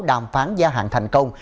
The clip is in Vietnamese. đàm phán gia hạn thành công